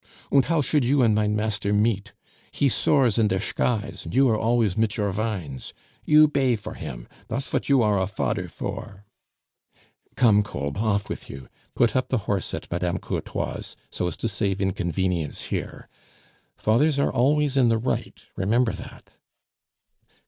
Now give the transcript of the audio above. "Und how should you and mein master meet? He soars in der shkies, and you are always mit your vines! You bay for him, that's vot you are a fader for " "Come, Kolb, off with you. Put up the horse at Mme. Courtois' so as to save inconvenience here; fathers are always in the right, remember that."